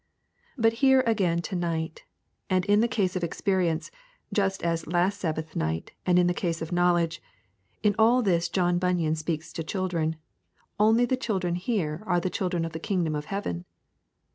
But here again to night, and in the case of Experience, just as last Sabbath night and in the case of Knowledge, in all this John Bunyan speaks to children, only the children here are the children of the kingdom of heaven.